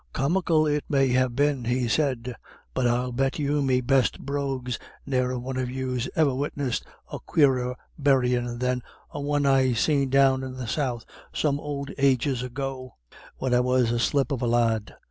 "Comical it may have been," he said, "but I'll bet you me best brogues ne'er a one of yous ever witnessed a quarer buryin' than a one I seen down in the south some ould ages ago, when I was a slip of a lad.